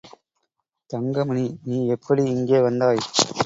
தங்கமணி, நீ எப்படி இங்கே வந்தாய்?